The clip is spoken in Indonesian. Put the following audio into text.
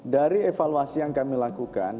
dari evaluasi yang kami lakukan